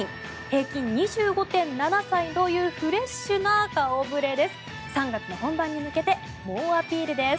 平均２５．７歳というフレッシュな顔ぶれです。